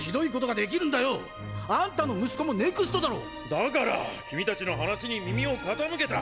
だから君たちの話に耳を傾けた！